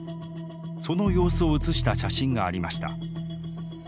その様子を写した写真がありました。